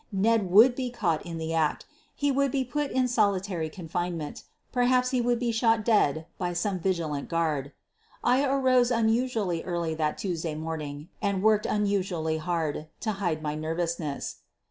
Ned would be caught in the act — he would be put in solitary confinement — perhaps he would be shot dead by some vigilant guard. I arose unusually early that Tuesday morning and worked unusually hard — to hide my nervousness.